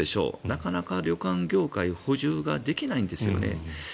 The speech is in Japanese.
なかなか旅館業界補充ができないんですよね。